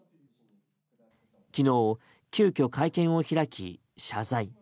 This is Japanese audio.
昨日、急きょ会見を開き謝罪。